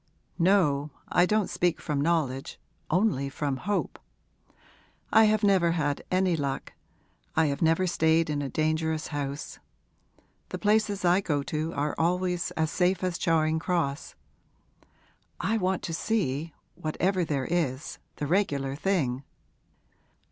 'No, I don't speak from knowledge, only from hope. I have never had any luck I have never stayed in a dangerous house. The places I go to are always as safe as Charing Cross. I want to see whatever there is, the regular thing.